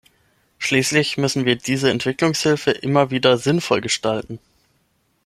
Schließlich müssen wir diese Entwicklungshilfe immer wieder sinnvoll gestalten.